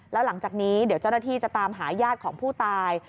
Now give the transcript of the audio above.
แล้วหลังจากนี้เจ้าหน้าที่จะตามหายาดของผู้ตาย